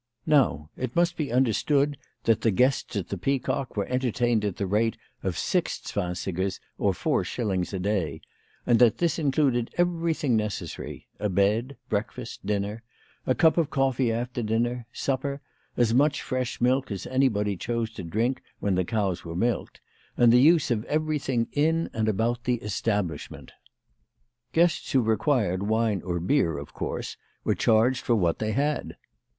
Now it must be understood that the guests at the Peacock were entertained at the rate of six zwansigers, or four shillings, a day, and that this included everything necessary, a bed, breakfast, dinner, a cup of coffee after dinner, supper, as much fresh milk as anybody chose to drink when the cows were milked, and the use of everything in and about the establishment. Guests who required wine or beer, of course, were charged for what they had.